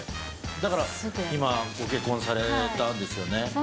だから今、ご結婚されたんですよね？